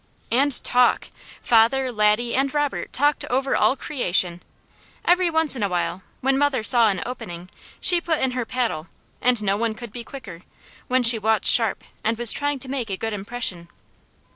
And talk! Father, Laddie, and Robert talked over all creation. Every once in a while when mother saw an opening, she put in her paddle, and no one could be quicker, when she watched sharp and was trying to make a good impression.